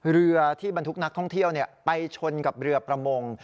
เรือที่บรรทุกนักท่องเที่ยวไปชนกับเรือประมง